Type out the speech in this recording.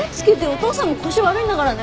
お父さんも腰悪いんだからね。